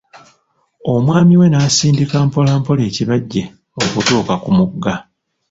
Omwami we n'asindika mpola mpola ekibajje okutuuka ku mugga.